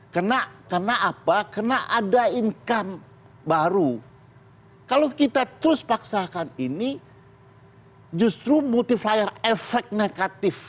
kena kena apa kena ada income baru kalau kita terus paksakan ini justru mutifier efek negatif